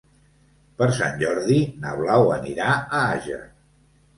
Per Sant Jordi na Blau anirà a Àger.